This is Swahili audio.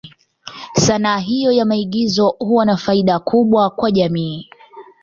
Sanaa hiyo ya maigizo huwa na faida kubwa kwa jamii.